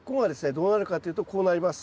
どうなるかというとこうなります。